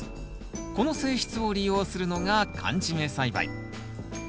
この性質を利用するのが寒締め栽培。